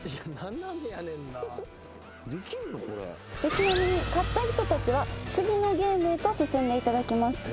ちなみに勝った人たちは次のゲームへと進んでいただきます。